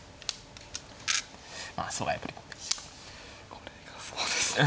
これがそうですね。